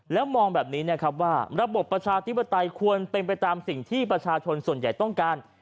แล้วมองแบบนี้นะครับว่าระบบประชาธิปไตยควรเป็นไปตามสิ่งที่ประชาชนส่วนใหญ่ต้องการ